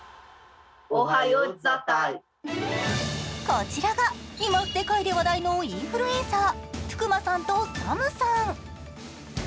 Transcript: こちらが今、世界で話題のインフルエンサートゥクマさんとサムさん。